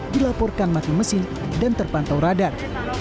dilaporkan mati mesin dan terpantau radar